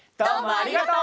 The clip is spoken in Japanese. ありがとう！